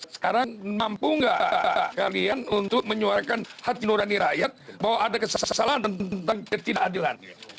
sekarang mampu nggak kalian untuk menyuarakan hati nurani rakyat bahwa ada kesalahan tentang ketidakadilan